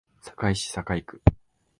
堺市堺区